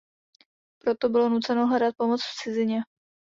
Proto bylo nuceno hledat pomoc v cizině.